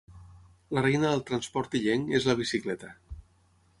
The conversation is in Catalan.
La reina del transport illenc és la bicicleta.